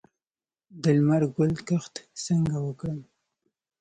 د لمر ګل کښت څنګه وکړم؟